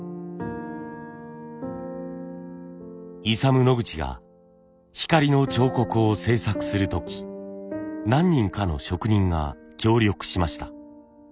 イサム・ノグチが「光の彫刻」を制作する時何人かの職人が協力しました。